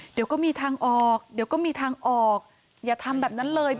เดี๋ยวก็มีทางออกอย่าทำแบบนั้นเลย